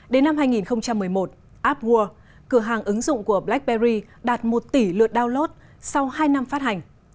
đến năm hai nghìn một mươi một appworld cửa hàng ứng dụng của blackberry đạt một tỷ lượt download sau hai năm phát hành